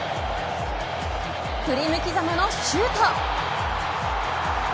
振り向きざまのシュート。